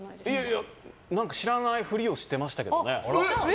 いや、知らないふりをしてましたけどね。